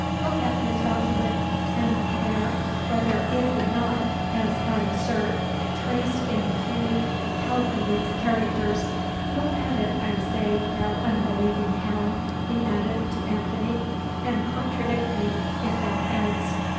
Look at this document, and declare whether it be not, as I assert, traced in Hugh Calveley's characters. Look at it, I say, thou unbelieving hound," he added, to Anthony, "and contradict me if thou canst."